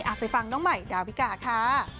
คำนี้อาจไปฟังน้องใหม่ดาวิกาค่ะ